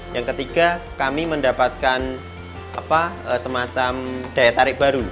yang ketiga kami mendapatkan semacam daya tarik baru